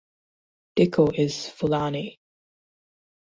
Dicko is Fulani.